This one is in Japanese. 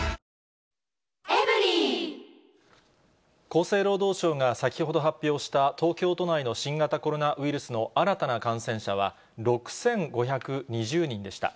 厚生労働省が先ほど発表した、東京都内の新型コロナウイルスの新たな感染者は６５２０人でした。